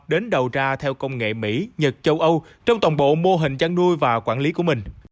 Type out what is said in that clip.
đến đầu ra theo công nghệ mỹ nhật châu âu trong tổng bộ mô hình chăn nuôi và quản lý của mình